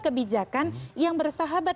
kebijakan yang bersahabat